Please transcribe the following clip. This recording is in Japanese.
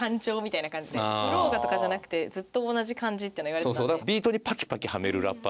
「フロウが」とかじゃなくてずっと同じ感じっていうのは言われてたんで。